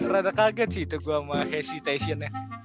rada kaget sih itu gua sama hesitation nya